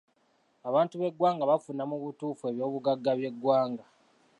Abantu b'eggwanga bafuna mu butuufu eby'obugagga by'eggwanga.